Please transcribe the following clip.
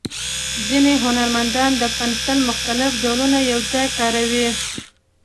ځینې هنرمندان د پنسل مختلف ډولونه یو ځای کاروي.